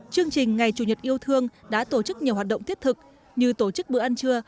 chương trình ngày chủ nhật yêu thương đã tổ chức nhiều hoạt động thiết thực như tổ chức bữa ăn trưa